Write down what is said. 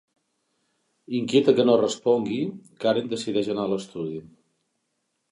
Inquieta que no respongui, Karen decideix anar a l'estudi.